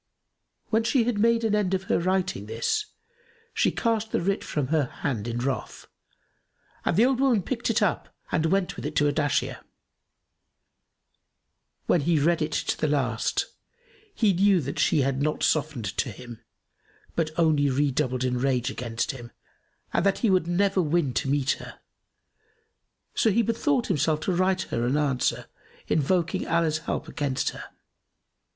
When she had made an end of her writing this, she cast the writ from her hand in wrath, and the old woman picked it up and went with it to Ardashir. When he read it to the last he knew that she had not softened to him, but only redoubled in rage against him and that he would never win to meet her, so he bethought himself to write her an answer invoking Allah's help against her.